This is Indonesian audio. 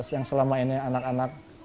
yang selama ini anak anak